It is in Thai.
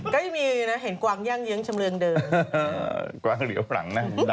ก็ยังมีอย่างนี้นะเห็นกวางย่างเยี๊ยงชำเรืองเดิม